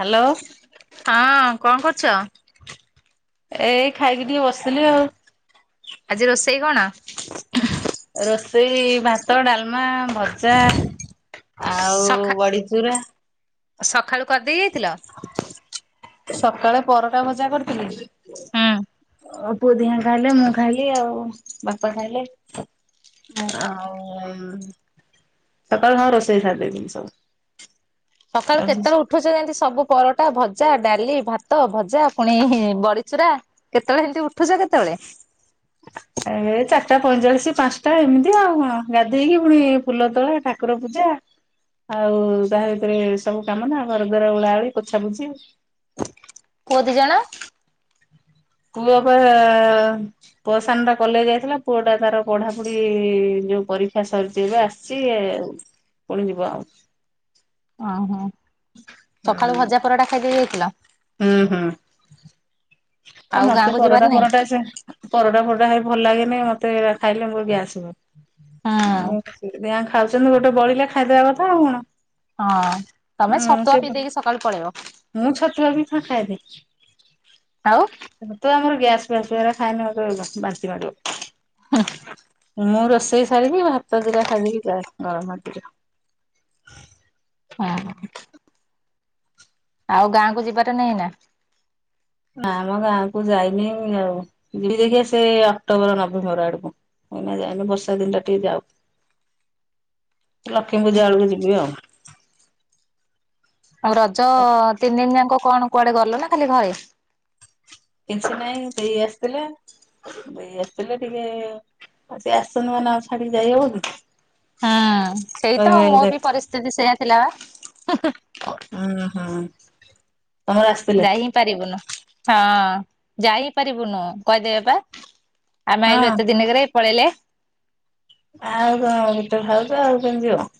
Hello. ହଁ କଣ କରୁଚ? ଏଇ ଖାଇକି ଟିକେ ବସିଥିଲି ଆଉ। ଆଜି ରୋଷେଇ କଣ? ରୋଷେଇ ଭାତ ଡାଲମା ଭଜ ଜା ଆଉ ସଖା ବଡିଚୁରା ସକାଳୁ କରିଦେଇ ଯାଇଥିଲ? ସକାଳେ ପରଟା ଭଜା କରିଥିଲି। ହୁଁ। ପୁଅ ଦିଆ ଖାଇଲେ ମୁଁ ଖାଇଲି ଆଉ ବାପା ଖାଇଲେ। ହଁ। ଆଉ ଉମ ସକାଳୁ ହଁ ରୋଷେଇ ସାରିଦେଇଥିଲି ସବୁ। ସକାଳୁ କେତେଳେ ଉଠ ଉଠୁଛ ଯେମିତି ସବୁ ପରଟା ଭଜା, ଡାଲି, ଭାତ, ଭଜା, ପୁଣି ବଡିଚୁରା କେତେବେଳେ ଏମିତି ଉଠୁଛ କେତେବେଳେ? ଏ ଚାରିଟା ପଇଁଚାଳିଶ ପାଞ୍ଚଟା ଏମିତି ଆଉ ଗାଧେଇକି ପୁଣି ଫୁଲ ତୋଳା ଠା ଠାକୁର ପୂଜା ଆଉ ତାହା ଭିତରେ ସବୁ କାମ ନା ଘର ଦ୍ୱର ଓଳା ଓଳି ପୋଛା ପୁଛି। ପୁଅ ଦି ଜଣ? ପୁଅ ପା ଆ ପୁଅ ସାନ ଟା କଲେଜ ଯାଇଥିଲା ପୁଅ ଟା ତାର ପଢାପଢି ଯୋଉ ପରୀକ୍ଷା ସାରିଛି ଏବେ ଆ ସିଏ ପୁଣି ଯିବ ଆଉ। ଓହୋ ସକାଳୁ ଭଜା ପରଟା ଖାଇଦେଇ ଯାଇଥିଲ। ହୁଁ ହୁଁ ଆ ଆଉ ମତେ ଗାଁକୁ ଯିବାର ପରଟା ନାଇଁ? ପରଟା ସେ ପରଟା ଫରଟା ଭାଇ ଭଲ ଲାଗେନି ମତେ ଖାଇଲେ ମୋର ଗ୍ୟାସ୍ ହୁଏ। ହଁ। ଆଉ ଖାଉଛନ୍ତି ଗୋଟେ ବଳିଲେ ଖାଇଦବା କଥା ଆଉ କଣ। ହଁ ତମେ ଉଁ ସେ ସତୁଆ ପିଇ ଦେଇକି ସକାଳୁ ପଳେଇବ। ଖାଇବେ। ଆଉ ତୁଆ ଆମର ଗ୍ୟାସ ଫ୍ୟାସ ହୁଏ ଏରା ଖାଇନେ ମତେ ବାନ୍ତି ମାଡିବ। ମୁଁ ରୋଷେଇ ସାରିକି ଭାତ ଦିଟା ଖାଇ ଦେଇକି ଯାଏ ଗରମ ଭାତ ଦିଟା। ହୁଁ ହୁଁ। ଆଉ ଗାଁକୁ ଯିବାର ନାଇଁ ଏଇନା? ନାମ ଗାଁକୁ ଯାଇନି ଆଉ ଯିବି ଦେଖିଆ ସେ ଅକ୍ଟୋବର, ନଭେମ୍ବର ଆଡକୁ। ଏଇନା ଯାଇନି ବର୍ଷା ଦିନଟା ଟିକେ ଯାଉ, ଲକ୍ଷ୍ମୀ ପୂଜା ବେଳକୁ ଯିବି ଆଉ। ଆଉ ରଜ ତିନି ଦିନ ଯାକ କଣ କୁଆଡେ ଗଲ ନା ଖାଲି ଘରେ? କିଛି ନାଇଁ ଦେଇ ଆସିଥିଲେ। ଦେଇ ଆସଥିଲେ ଟିକେ ଆଉ ସେ ଆସଚନ୍ତି ମାନେ ଆ ଛାଡିକି ଯାଇହବ କି? ହୁଁ, ସେଇ ତ କହିବେ ମୋ ଉଁ ବି ପରିସ୍ଥିତି ସେଇଆ ଥିଲା ବା। ଅଂହ ତମର ଆସିଥିଲେ? ଯାଇ ହିଁ ପାରିବୁନୁ ହଁ ଯାଇ ପାରିବୁନୁ କହିଦେବେ ବା। ଆମେ ଆଇଲୁ ହଁ। ଏତେ ଦିନକରେ ପଳେଇଲେ। ଆଉ କଣ ଗୋଟେ ଭାଉଜ ଆଉ କେମିତିି ଯିବ।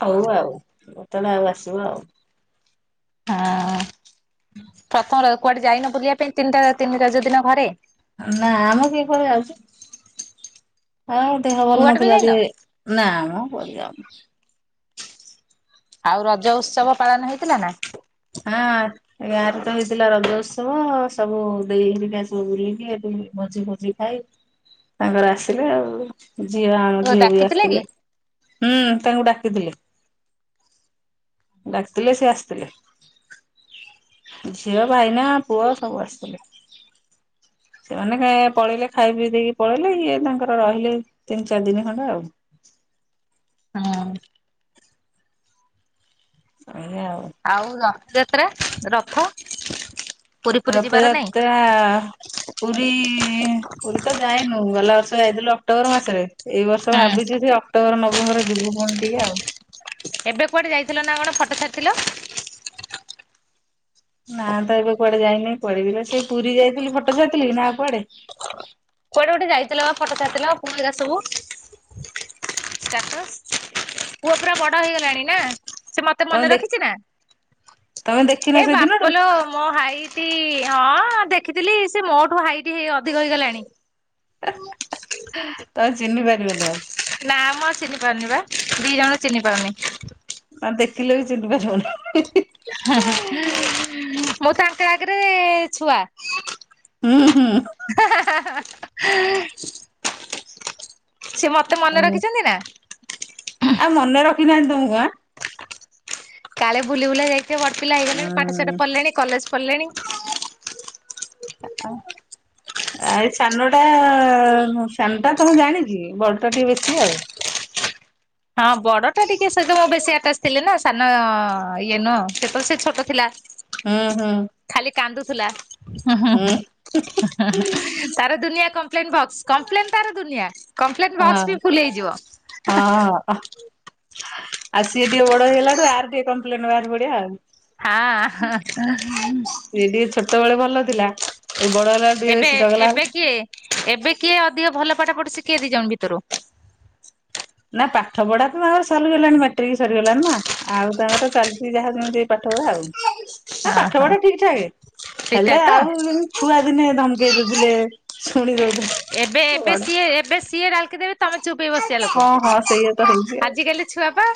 ହଉ ଆଉ ଯେତେବେଳେ ଆଉ ଆସିବ ଆଉ। ହଁ ପ୍ରଥମ ର କୁଆଡେ ଯାଇନ ବୁଲିବା ପାଇଁ ତିନିଟା ତିନି ରଜ ଦିନ ଘରେ? ନାମ କିଏ କୁଆଡେ ଯାଉଚି ଆଉ ଦେହ ଭଲ କୁଆଡେ ବି ନଥିଲା ଯାଇନ ଟିକେ। ନା ମ କୁଆଡେ ଯାଉନୁ। ଆଉ ରଜ ଉତ୍ସବ ପାଳନ ହେଇଥିଲା ନା? ହଁ। ଏ ଗାଁ ରେ ତ ହେଇଥିଲା ରଜ ଉତ୍ସବ ସବୁ ଦେଇ ହେରିକା ସବୁ ବୁଲିକି ଏଠି ଭୋଜି ଫଜି ଭାଇ ତାଙ୍କର ଆସିଲେ ଆଉ। ଝିଅ ଆମ ଝିଅ ବି ଡାକିଥିଲେ କି? ଆସିଥିଲେ ହୁଁ ତାଙ୍କୁ ଡାକିଥିଲେ। ଡାକିଥିଲେ ସେ ଆସିଥିଲେ। ଝିଅ, ଭାଇନା, ପୁଅ ସବୁ ଆସିଥିଲେ। [inaudible] ସେମାନେ ପଳେଇଲେ ଖାଇ ପିଇ ଦେଇକି ପଳେଇଲେ ଇଏ ତାଙ୍କର ରହିଲେ ତିନି ଚାରି ଦିନି ଖଣ୍ଡେ ଆଉ। ହୁଁ। ଆଜ୍ଞା ଆଉ। ଆଉ ରଥଯାତ୍ରା ରଥ ପୁରୀ ଫୁରୀ ଯିବାର ନାଇଁ ରଥଯାତ୍ରା ପୁରୀ ପୁରୀ ତ ଯାଇନୁ ଗଲା ବର୍ଷ ଯାଇଥିଲୁ ଅକ୍ଟୋବର ମାସରେ। ଏଇ ବର୍ଷ ହୁଁ। ଭାବିଚି ସେ ଅକ୍ଟୋବର, ନଭେମ୍ବର ଯିବୁ ପୁଣି ଟିକେ ଆଉ। ଏବେ କୁଆଡେ ଯାଇଥିଲ ନା କଣ ଫଟୋ ଛାଡ଼ିଥିଲ? ନା ତ ଏବେ କୁଆଡେ ଯାଇନିଁ ପଇ ସେ ପୁରୀ ଯାଇଥିଲି ଫଟୋ ଛାଇଥିଲି କି ନା କୁଆଡେ? କୁଆଡେ ଗୋଟେ ଯାଇଥିଲ ବା ଫଟୋ ଛାଡିଥିଲ ପୁଅ ହେଗା ସବୁ। ଷ୍ଟାଟସ୍ ପୁଅ ପୁରା ବଡ ହେଇଗଲାଣି ନା ସେ ମତେ ସେ ତମେ ମନେ ଦେଖ ରଖିଚି ନା ତମେ ଦେଖିନ ଏ ସେଦିନଠୁ ବାପଲେ ମୋ ଭାଇ ଟି ହଁ ଦେଖିଥିଲି ସେ ମୋ ଠୁ ହାଇଟ୍ ହେଇ ଅଧିକ ହେଇଗଲାଣି। ତାକୁ ଚିହ୍ନି ପାରିବନି ଆଉ। ନା ମୁଁ ଆଉ ଚିହ୍ନି ପାରୁନି ପା ଦି ଜଣ ଚିହ୍ନି ପାରୁନି। ଦେଖିଲେ ବି ଚିହ୍ନି ପାରିବୁନି। ମୁଁ ତାଙ୍କ ଆଗରେ ଛୁଆ। ହୁଁ ହୁଁ। ସେ ମତେ ମନେ ରଖିଚନ୍ତି ନା? ଆଉ ମନେ ରଖି ନାହାନ୍ତି ତମକୁ ଆଁ। କାଳେ ବୁଲି ବୁଲା ଯାଇିଥିବେ ବଡ ପିଲା ହେଇଗଲେଣି ପାଠ ସାଠ ହୁଁ। ପଢିଲେଣି କଲେଜ ପଢିଲେଣି। [unintelligible] ଆ ଏଇ ସାନଟା ସାନ ଟା ତମକୁ ଜାଣିଚି ବଡ ଟା ଟିକେ ବେଶୀ ଆଉ। ହଁ ବଡଟା ଟିକେ ସେ ଯୋ ବେଶୀ ଆଟାଚ ଥିଲେ ନା ସାନ ଇଏ ନୁହଁ ସେ ତ ସେଏ ଛୋଟ ଥିଲା। ହୁଁ ହୁଁ। ଖାଲି କାନ୍ଦୁଥିଲା। ହୁଁ। ତାର ଦୁନିଆ କମ୍ପ୍ଲେନ ବକ୍ସ କମ୍ପ୍ଲେନ ତାର ଦୁନିଆ। କମ୍ପ୍ଲେନ ହଁ ବକ୍ସ ବି ଫୁଲି ହେଇଯିବ। ହଁ ଆଉ ସିଏ ଟିକେ ବଡ ହେଇଲାରୁୁ ଆର ଟିକେ କମ୍ପ୍ଲେନ ବାହାର ପଡିଆ ଆଉ। ହଁ। ସେ ଟିକେ ଛୋଟ ବେଳେ ଭଲ ଥିଲା ଏଇ ବଡ ହେଲା ଟିକେ ଏବେ ବେଶି ଚଗଲା ଏବେ ହେଲା। କିଏ ଏବେ କିଏ ଅଧିକ ଭଲ ପାଠ ପଢୁଚି କିଏ ଦି ଜଣ ଭିତରୁ? ନା ପାଠ ପଢା ତ ଆର ସରିଗଲାଣି ମାଟ୍ରିକ ସରିଗଲାଣି ନା। ଆଉ ତାଙ୍କର ଚାଲିଚି ଯାହା ଯେମିତି ପାଠ ପଢା ଆଉ। ନା ହଁ ପାଠ ହଁ। ପଢା ଠିକ ଠାକ ସେଇଟା ହେଲେ ତ ଆଉ ଯେ ଛୁଆ ଦିନେ ଧମକେଇ ଦଉଥିଲେ ଶୁଣି ଦଉଥି ଏବେ ଏବେ ସିଏ ଏବେ ସିଏ ଡାଲିକି ଦେବେ ତମେ ଚୁପି ବ ବସିବା ହଁ ହଁ ସେଇଆ ତ ଲୋକ ହଉଛି ଆଉ ଆଜ କାଲି ଛୁଆ ପା।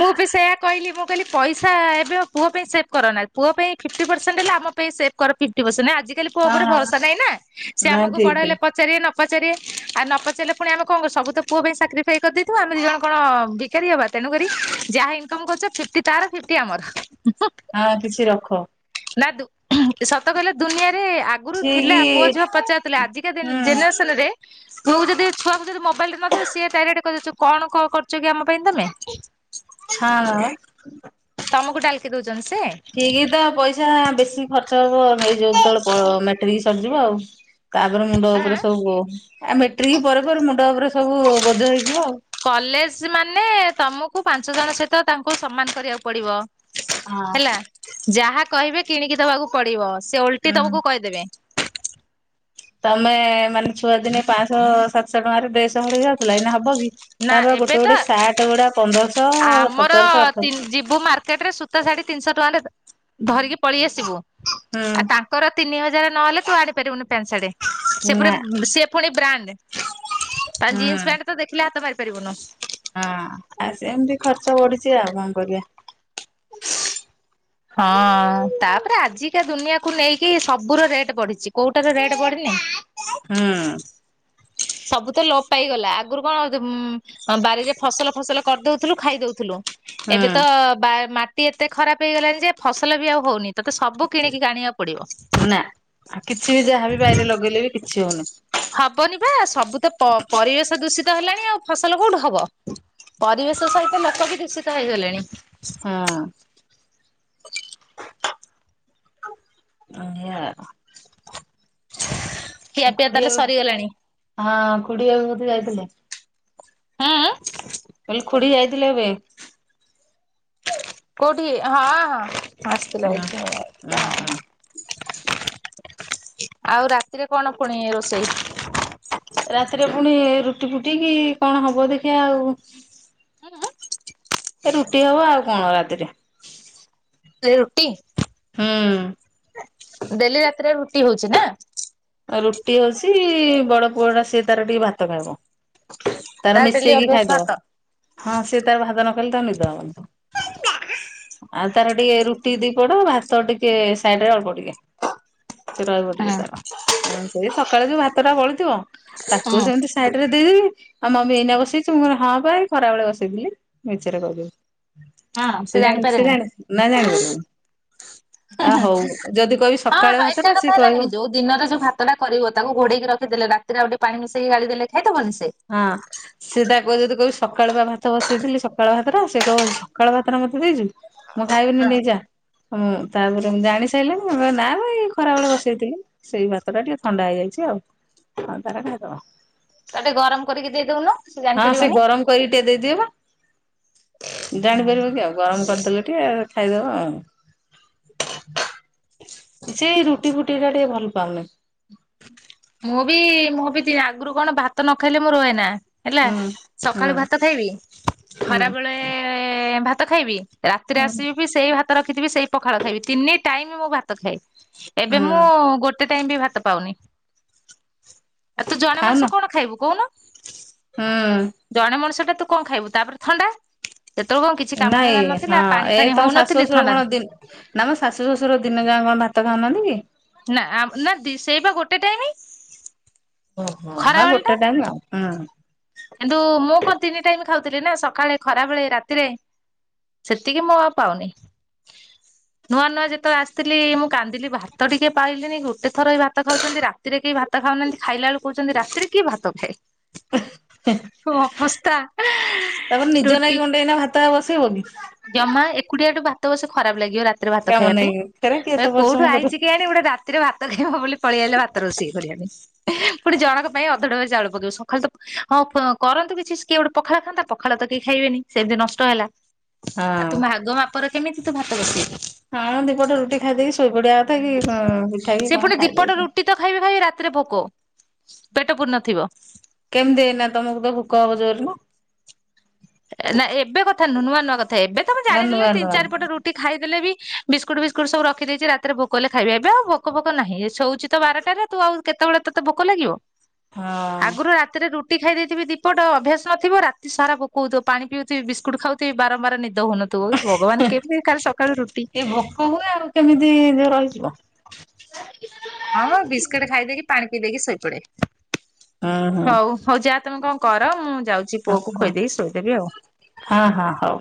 ମୁଁ ବି ସେୟା କହିଲି ମୁଁ କହିଲି ପଇସା ଏବେ ଆ ପୁଅ ପାଇଁ ସେଭ୍ କର ନା ପୁଅ ପାଇଁ ଫିଟି ପରସଣ୍ଟ ହେଲା ଆମ ପାଇଁ କର ଫିଟି ପରସଣ୍ଟ ଆଜି। ଆଜି କାଲି ପୁଅ ହଁ ଉପରେ ହଁ ଭରସା ନାହିଁ ନା ସେ ନା ଆମକୁ ଠିକ ବଡ ଠିକ ହେଲେ ପ ପଚାରିବେ ନ ପଚାରିବେ ଆଉ ନ ପଚାରିଲେ ପୁଣି ଆମେ କଣ କରୁ ସବୁ ତ ପୁଅ ପାଇଁ ସାକ୍ରିଫାଇସ୍ କରିଦେଇଥବୁ ଆମେ ଦି ଜଣ କଣ ବିକାରୀ ହବା। ତେଣୁକରି ଯାହା ଇନକମ କରୁଚ ଫିପ୍ଟି ତାର ଫିପ୍ଟି ଆମର। ଆ କିଛି ରଖ। ନା ଦୁ ସତ କହିଲ ଦୁନିଆରେ ଆ ଆଗରୁ ଠିକ ଥିଲା ପୁଅ ଝିଅ ପଚାରୁଥିଲା ଆଜିକା ଜେ ହୁଁ ଜେନେରେସନ ରେ। ତୁ ଯଦି ଛୁଆଙ୍କୁ ଯଦି ମୋବାଇଲି ଟେ ନଦବୁ ସିଏ ଡାଇରେକ୍ଟ କହିଦଉଚି କଣ କରୁ ଚକି ଆମ ପାଇଁ ତମେ। ହଁ ପା। ତମକୁ ଡାଲକି ଦଉଚନ୍ତି ସେ। ଠିକ ତା ପଇସା ବେଶୀ ଖର୍ଚ୍ଚ ହବ ଏଇ ଯୋଉ ଯେତେବେଳେ ମେଟେରିକ ସରିଯିବ ଆଉ। ତାପରେ ମୁଣ୍ଡ ଆଁ ଉପରେ ସବୁ ଆ ମେଟ୍ରିକ ପରେ ପରେ ମୁଣ୍ଡ ଉପରେ ସବୁ ବୋଝ ହେଇଯିବ ଆଉ। କଲେଜ ମାନେ ତମକୁ ପାଞ୍ଚ ଜଣ ସହିତ ତାଙ୍କୁ ସମ୍ମାନ କରିବାକୁ ପଡିବ। ହଁ। ହେଲା ଯାହା କହିବେ କିଣିକି ଦବାକୁ ପଡିବ ସେ ଓଲଟି ହଁ ହୁଁ ତମକୁ କହି ଦେବେ। ତମେ ମାନେ ଛୁଆ ଦିନେ ପାଞ୍ଚଶହ ସାତଶହ ଟଙ୍କାରେ ଡ୍ରେସ ହଳେ ହେଇଯାଉଥିଲା ଏଇନା ହବ କି? ନା ତାର ଏବେ ଗୋଟେ ତ ଗୋଟେ ସାଟେ ଗୁଡା ପନ୍ଦରଶହ ସତରଶହ ଅଠରଶହ। ମୁୁଁ ମାର୍କେଟ୍ ରେ ସୂତା ଶାଢ଼ୀ ତିନିଶ ଟଙ୍କାରେ ଧରିକି ପଳି ଆସିବୁ। ହଁ। ଆଉ ତାଙ୍କର ତିନି ହଜାର ନହଲେ ତୁ ଆଣି ପାରିବୁନି ପେଣ୍ଟ ସାଟେ ନା ସେପରେ ସେ ଫୁଣି ବ୍ରାଣ୍ଡ୍ ତା ହୁଁ ଜିନ୍ସ୍ ପ୍ୟାଣ୍ଟ୍ ତ ଦେଖିଲେ ହାତ ମାରିପାରିବୁନୁ। ହଁ ଆ ସେମ୍ତି ଖର୍ଚ୍ଚ ବଢିଚି ଆଉ କଁ କରିଆ। ହଁ ତାପରେ ଆଜିକା ଦୁନିଆକୁ ନେଇକି ସବୁର ରେଟ୍ ବଢିଚି କୋଉ ତାର ରେଟ୍ ବଢିନି? ହୁଁ ସବୁ ତ ଲୋପ ପାଇଗଲା ଆଗରୁ କଣ ହଉଥୁ ଉଁ ବାରିରେ ଫସଲ ଫସଲ କରି ଦଉଥୁଲୁ ଖାଇ ଦଉଥୁଲୁ। ହୁଁ ଏବେ ତ ବା ମାଟି ଏତେ ଖରାପ ହେଇଗଲାଣି ଯେ ଫସଲ ବି ଆଉ ହଉନି। ତତେ ସବୁ କିଣିକି ଗାଣିଆ ପଡିବ। ଆ କିଛି ବି ଯାହା ବି ବାଇରେ ଲଗେଇଲେ ବି କିଛି ହଉନି। ହବନି ବା ସବୁ ତ ପ ପରିବେଶ ଦୂଷିତ ହେଲାଣି ଆଉ ଫସଲ କୋଉଠୁ ହବ। ପରିବେଶ ସହିତ ଲୋକ ବି ଦୂଷିତ ହେଇ ଗଲେଣି। ହଁ। [inaudible] ଅଁଢିଆ। [inaudible] ଆ ଖୁଡି ଆଉ ସରିଗଲାଣି। ହଁ ଖୁଡି ଆଉ ବଧେ ଯାଇଥିଲେ? ଆଁ ଆଁ। କଇଲି ଖୁଡି ଯାଇଥିଲେ ଏବେ। କୋଉଠି ହଁ ହଁ ଆସ୍ ଥିଲେ ଉଁ [unintelligible] ଉଁ ତ। ହୁଁ ଆଉ ରାତିରେ କଣ ଫୁଣି ରୋଷେଇ? ରାତିରେ ଫୁଣି ଏ ରୁଟି ଫୁଟି କିି କଣ ହବ ଦେଖିଆ ଆଉ। ଉଁ-ଉଁ ଟି ହବ ଆଉ କଣ ରାତିରେ। ଲି ରୁଟି ହୁଁ ଡେଲି ରାତିରେ ରୁଟି ହଉଚି ନା? ଆ ରୁଟି ହଉଚି ବଡ ପୁଅ ଟା ସେ ତାର ଟିକେ ଭାତ ଖାଇବ। ତାର ଡେଲି ମିଶେଇକି ଅଭ୍ୟାସ ଖାଇଦବ। ଭାତ। ହଁ ସିଏ ତାର ଭାତ ନ ଖାଇଲେ ତାକୁ ନିଦ ହବନି। [unintelligible] ଆଉ ତାର ଟିକେ ରୁଟି ଦି ପଡ ଆ ଭାତ ଟିକେ ସାଇଡ୍ ରେ ଅଳ୍ପ ଟିକେ। ସେ ରହିବ ଟିକେ ହଁ ତାର ଅଁ ସେ ସକାଳେ ଯୋଉ ଭାତଟା ବଳିଥିବ ତାକୁ ହୁଁ ସେମିତି ସାଇଡ୍ ରେ ଦେବି ଆଉ ମମି ଏଇନା ବସେଇଚୁ ମୁଁ କହିବି ହଁ ପା ଏଇ ଖରାବେଳେ ବସେଇଥିଲି। ମିଛରେ କହି ଦେବି ହଁ ସେ ଜାଣି ସିଏ ଜାଣିପାରେନି। ଜାଣି ନା ଜାଣିପାରିବନି। ଆ ହଉ ଯଦି କଇବି ହଁ ହଁ ସକାଳେ ଭାତ ଏକା ଟା କଥା ସିଏ ହେଲାନି କି କଇବ ଯୋଉ ଦିନରେ ଯୋଉ ଭାତ ଟା କରିବ ତାକୁ ଘୋଡେଇକି ରଖିଦଲେ ରାତିରେ ଆଉ ଟିକେ ପାଣି ମିଶେଇକି ଗାଳି ଦେଲେ ଖାଇ ଦବନି ସେ? ହଁ। ସେ ତାକୁ ପା ଯଦି କହିବି ସକାଳୁ ବା ଭାତ ବସେଇଥିଲି ସକାଳୁ ଭାତ ରା କହିବ ସକାଳ ଭାତ ରା ମତେ ଦେଇଚୁ। ମୁଁ ହଁ। ଖାଇବିନି ନେଇଯା। ଉଁ ତାପରେ ମୁଁ ଜାଣି ସାଇଲିଣି ଏ ନା ମ ଏ ଖରାବେେଳେ ବସେଇଥିଲି। ସେଇ ଭାତ ଟା ଟିକେ ଥଣ୍ଡା ହେଇଯାଇଛି ଆଉ ଆଉ ତାର ଖାଇଦବ। ତାକୁ ଟିକେ ଗରମ୍ କରିକି ଦେଇ ଦଉନ? ହଁ ସେ ଗରମ୍ କରିକି ଟିକେ ଦେଇ ଦିଏ ବା ଜାଣିପାରିବ କି ଆଉ ଗରମ କରିଦେଲେ। ଟିଏ ଖାଇଦବ ଆଉ। ସେଇ ରୁ ରୁଟି ଫୁଟି [unintelligible] ଟିକେ ଭଲ୍ ପାଉନି। ମୁଁ ବି ମୁଁ ବି [unintelligible] ଆଗରୁ କଣ ଭାତ ନ ଖାଇଲେ ମୁଁ ରୁହେ ନା। ହେଲା ହୁଁ ହୁଁ ସକାଳୁ ଭାତ ଖାଇବି ହୁଁ। ଖରା ବଳେ ଭାତ ଖାଇବି ରାତିରେ ହୁଁ ଆସିବି ବି ସେଇ ଭାତ ରଖିଥିବି ସେଇ ପଖାଳ ଖାଇବି ତିନି ଟାଇମ୍ ମୋ ଭାତ ଭାତ ଖାଏ ଏବେ ହୁଁ ମୁଁ ଗୋଟେ ଟାଇମ୍ ବି ଭାତ ପାଉନି। ଆଉ ତୁ ଜଣେ ଖାଉନ ମଣିଷ କଣ ଖାଇବୁ କହୁନୁ? ହୁଁ। ଜଣେ ମଣିଷଟା ତୁ କଣ ଖାଇବୁ ତାପରେ ଥଣ୍ଡା। [unintelligible] କିଛି କାମ ଧନ୍ଦା ନାଇଁ ହଁ ନଥିଲା ପାଣି ଏ ଫାଣି ତମ ଶାଶୁ ହଉନଥିଲି ଶ୍ୱଶୁର କଣ ଥଣ୍ଡା ଦି ନା ମୋ ଶାଶୁ ଶଶୁର ଦିନ ଯାଁଏ କଣ ଭାତ ଖାଉନାହାନ୍ତି କି। ନା ନା ଦି ସେଇ ବା ଗୋଟେ ଟାଇମ୍। ଓହୋ ହଁ ଗୋଟେ ଟାଇମ୍ ଆଉ ହଁ। କିନ୍ତୁ ମୁଁ କଣ ତିନି ଟାଇମ୍ ଖାଉଥିଲି ନା ସକାଳେ ଖରାବେଳେ ରାତିରେ ସେତିକି ମୁଁ ଆଉ ପାଉନି। ନୂଆ-ନୂଆ ଯେତବେଳେ ଆସିଥିଲି ମୁଁ କାନ୍ଦିଲି ଭାତ ଟିକେ ପାଇଲିିନି ଗୋଟେ ଥର ଭାତ ଖାଉଛନ୍ତି ରା ରାତିରେ କେହି ଭାତ ଖାଉନାହାନ୍ତି ଖାଇଲା ବେଳକୁ କହୁଚନ୍ତି ରାତିରେ କିଏ ଭାତ ଖାଏ? ଯୋଉ ଅବସ୍ଥା ତାପରେ ନିଜ ରୁଟି ନାଗି ଗଣ୍ଡେ ଏଇନା ଭାତ ଆଉ ବସେଇବ କି। ଜମା ଏକୁଟିଆଠୁ ଭାତ [unintelligible] ଖରାପ ଲାଗିବ ରା ରାତି ରେ ଭାତ କାମ ଖାଇବା ନାଗି ସେରା କିଏ ପାଇଁ ଏତେ ତ ପରିଶ୍ରମ କୋଉଠୁ କରିବ। ଆଇଛି କେଜାଣି ଗୋଟେ ରା ରାତି ରେ ଭାତ ଖାଇବ ବୋଲି ପଳେଇ ଆଇଲା ଭାତ ରୋଷେଇ କରିବା ପାଇଁ ପୁଣି ଜଣଙ୍କ ପାଇଁ ଅଧ ଡବାରେ ଚାଉଳ ପକେବ ସକାଳେ ତ ହଁ କରନ୍ତୁ କିଛି କିଏ ଗୋଟେ ପଖାଳ ଖାନ୍ତା ପଖାଳ ତ କେହି ଖାଇବେନି ସେମିତି ନଷ୍ଟ ହେଲା ଆଉ ହଁ ତୁ ଭାଗ ମାପର କେମିତି ତୁ ଭାତ ବସେଇ ବୁ ହଁ ଦି ପଟେ ରୁଟି ଖାଇ ଦେଇକି ଶୋଇପଡିବା କଥା କି ପିଠା କି କଣ ଖାଇ ଦେଇେଥା। ଭାତ ଖାଇବି-ଖାଇବି ରାତିରେ ଭୋକ ପେଟ ପୁରି ନଥିବ। କେମିତି ଏଇନା ତମକୁ ତ ଭୋକ ହବ ଜୋରେ ନା। ନା ଏବେ କଥା ନୁହେଁ ନୂଆ-ନୂଆ କଥା ଏବେ ତ ମୁଁ ନା ଜାଣିି ନୂଆ ଦେଲିଣି ତିନି ନୂଆ ଚାରି ପଟ ରୁ ଟି ଖାଇଦେଲେ ବି ବିସ୍କୁଟ୍ ଫିସ୍କୁଟ୍ ସବୁ ରଖି ଦେଇଚି ରାତି ଭୋକ ହେଲେ ଖାଇବି ଏବେ ଆଉ ଭୋକ୍ ଫୋକ୍ ନାହିଁ ଶଉଚି ତ ବାର ବାର ଟା ରେ ତୁ ଆଉ କେତବେଳେ ତତେ ଭୋକ ଲାଗିବ। ହଁ ଆଗରୁ ରାତିରେ ରୁଟି ଖାଇ ଦେଇଥିବି ଦି ପଟ ଅଭ୍ୟାସ ଥିବ ରାତି ସାରା ଭୋ କ ହଉଥିବ ପାଣି ପିଉଥିବି ବିସ୍କୁଟୁ ଖାଉିଥିବି ବାରମ୍ବାର ନିଦ ହଉନ [unintelligible] ଭଗବାନ୍ କେମିତି କାଲି ସକାଳୁ ରୁଟି କହୁ ଆଉ କେମିତି ରହିଯିବ। ହଁ-ହଁ ବିସ୍କୁଟ ଖାଇଦେଇକି ପାଣି ପିଇ ଦେଇକି ଶୋଇପଡେ। ହୁଁ ହୁଁ ହଉ ହଉ ଯା ତମେ କଣ କର ମୁଁ ଯାଉଚି ପୁଅ କୁ ଖୋଇଦେଇକି ଶୋଇଦେବି ଆଉ। ହଁ-ହଁ ହଉ।